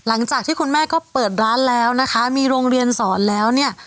หลังจากที่คุณแม่ก็เปิดร้านแล้วนะคะมีโรงเรียนสอนแล้วเนี่ย